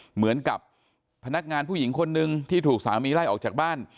เหมือนกับพนักงานผู้หญิงคนนึงที่ถูกสามีไล่ออกจากบ้าน